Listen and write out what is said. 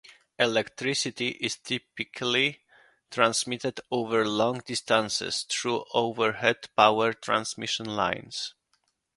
Electricity is typically transmitted over long distances through overhead power transmission lines.